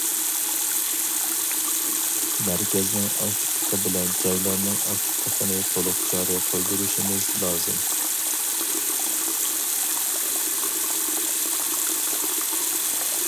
مەركەزنىڭ ئاكتىپلىقى بىلەن جايلارنىڭ ئاكتىپلىقىنى تولۇق جارى قىلدۇرۇشىمىز لازىم.